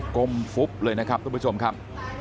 ก้มฟุบเลยนะครับทุกผู้ชมครับ